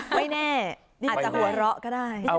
ไม่แน่อาจจะหัวเราะก็ได้